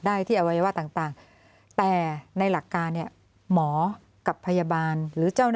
ได้ที่อวัยวะต่างแต่ในหลักการเนี่ยหมอกับพยาบาลหรือเจ้าหน้าที่